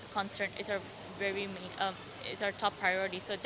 kewangan adalah keutamaan utama itu adalah prioritas utama kita